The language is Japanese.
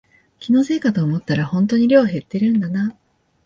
気のせいかと思ったらほんとに量減ってるんだな